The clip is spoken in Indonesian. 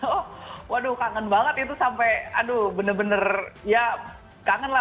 oh waduh kangen banget itu sampai aduh bener bener ya kangen lah